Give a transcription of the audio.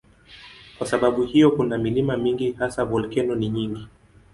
Kwa sababu hiyo kuna milima mingi, hasa volkeno ni nyingi.